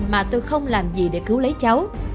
mà tôi không làm gì để cứu lấy cháu